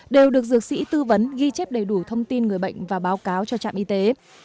đều được dược sĩ tư vấn ghi chép đầy đủ thông tin người bệnh và báo cáo cho trạm y tế